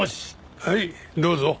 はいどうぞ。